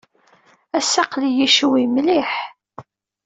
Ass-a, aql-iyi ccwi mliḥ.